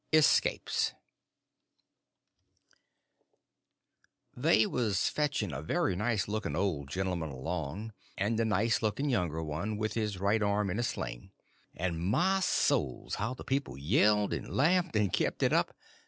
They was fetching a very nice looking old gentleman along, and a nice looking younger one, with his right arm in a sling. And, my souls, how the people yelled and laughed, and kept it up.